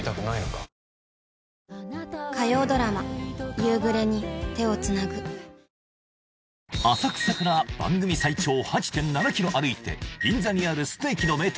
みんなで浅草から番組最長８．７ｋｍ歩いて銀座にあるステーキの名店